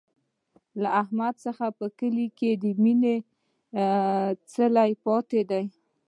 له احمد څخه په کلي کې د مینې څلی پاتې دی.